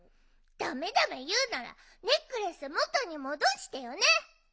ダメダメいうならネックレスもとにもどしてよね！